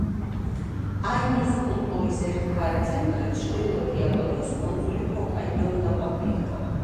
აინუს კულტურის ერთგვარი ცენტრი ჩრდილოეთ იაპონიის კუნძული ჰოკაიდო უნდა ყოფილიყო.